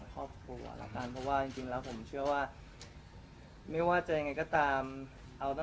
พ่อบอกว่าเพื่อนจ้าสาวสวย